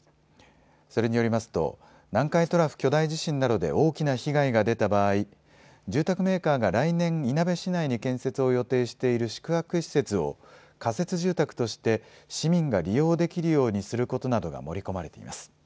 それによりますと南海トラフ巨大地震などで大きな被害が出た場合、住宅メーカーが来年、いなべ市内に建設を予定している宿泊施設を仮設住宅として市民が利用できるようにすることなどが盛り込まれています。